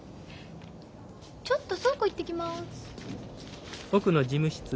ちょっと倉庫行ってきます。